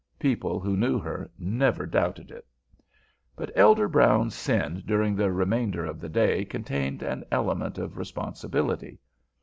People who knew her never doubted it. But Elder Brown's sin during the remainder of the day contained an element of responsibility.